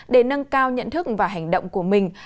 để nâng cao nhận thức và hành động của mình